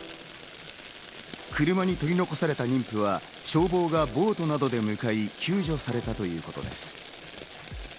車に取り残された妊婦は消防がボートなどで向い、救助されたということです。